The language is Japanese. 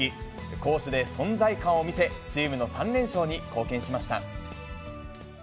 攻守で存在感を見せ、チームの３連勝に貢献しました。